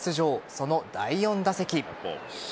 その第４打席。